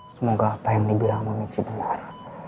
semoga apa yang dibilangmu mesti benar